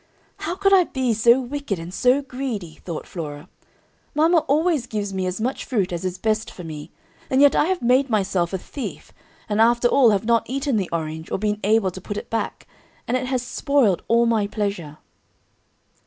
"How could I be so wicked and so greedy?" thought Flora; "mama always gives me as much fruit as is best for me, and yet I have made myself a thief, and after all have not eaten the orange, or been able to put it back, and it has spoiled all my pleasure."